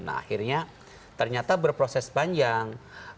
nah akhirnya ternyata berproses panjang